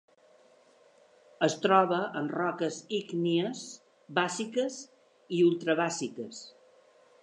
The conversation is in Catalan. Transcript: Es troba en roques ígnies bàsiques i ultrabàsiques.